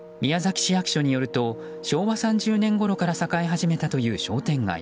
市役所によると昭和３０年ごろから栄え始めたという商店街。